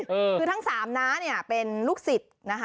คือทั้งสามน้าเนี่ยเป็นลูกศิษย์นะคะ